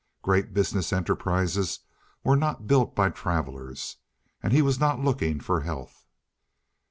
Great business enterprises were not built by travelers, and he was not looking for health.